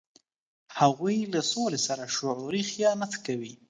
هغوی له سولې سره شعوري خیانت کوي.